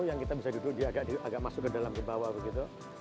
yang kita bisa duduk dia agak masuk ke dalam ke bawah begitu